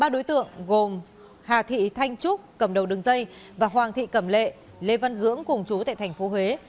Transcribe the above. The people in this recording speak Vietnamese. ba đối tượng gồm hà thị thanh trúc cầm đầu đường dây và hoàng thị cầm lệ lê văn dưỡng cùng chú tại thành phố huế